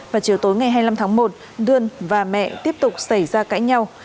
và chiều tối ngày hai mươi năm tháng một đươn và mẹ tiếp tục xảy ra cãi nhau